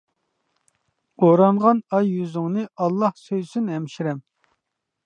ئورانغان ئاي يۈزۈڭنى ئاللا سۆيسۇن ھەمشىرەم!